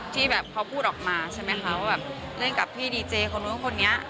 ที่แบบเขาพูดออกมาใช่ไหมคะว่าแบบเล่นกับพี่ดีเจคนนู้นคนนี้